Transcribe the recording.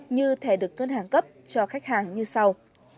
như thẻ được ngân hàng cấp cho khách hàng như sau